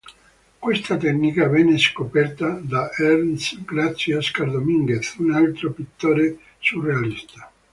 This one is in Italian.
Questa tecnica venne "scoperta" da Ernst grazie Óscar Domínguez, un altro pittore surrealista.